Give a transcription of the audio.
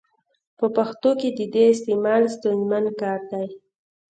په پښتو کي د ي استعمال ستونزمن کار دی.